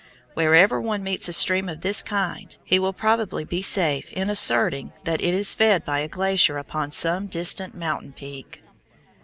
Wherever one meets a stream of this kind, he will probably be safe in asserting that it is fed by a glacier upon some distant mountain peak.